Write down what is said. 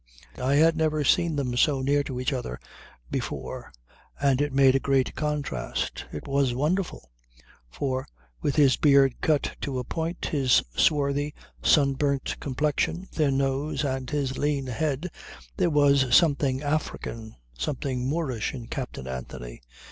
I had never seen them so near to each other before, and it made a great contrast. It was wonderful, for, with his beard cut to a point, his swarthy, sunburnt complexion, thin nose and his lean head there was something African, something Moorish in Captain Anthony.